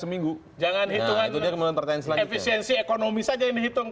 seminggu jangan hitungan kemudian pertanyaan selanjutnya efisiensi ekonomi saja yang dihitung